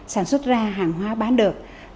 sản xuất ra hàng hóa bán được